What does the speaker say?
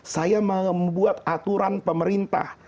saya membuat aturan pemerintah